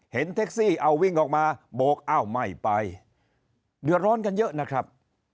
เท็กซี่เอาวิ่งออกมาโบกอ้าวไม่ไปเดือดร้อนกันเยอะนะครับ